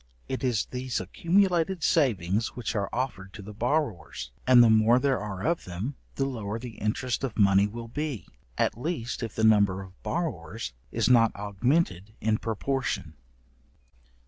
It is these accumulated savings which are offered to the borrowers, and the more there are of them, the lower the interest of money will be, at least if the number of borrowers is not augmented in proportion.